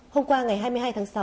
hôm qua ngày hai mươi hai tháng sáu